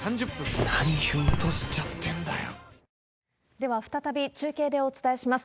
では、再び中継でお伝えします。